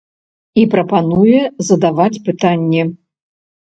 І прапануе задаваць пытанні.